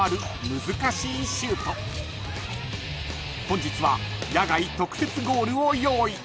［本日は野外特設ゴールを用意］